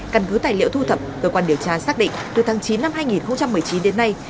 căn cứ tài liệu thu thập cơ quan điều tra xác định từ tháng chín năm hai nghìn một mươi chín đến nay